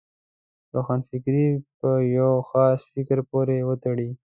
روښانفکري پر یو خاص فکر پورې وتړي.